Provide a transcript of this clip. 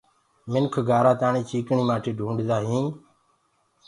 منک گآرآ تآڻي چيٚڪڻي مآٽي ڍونڊدآ هين۔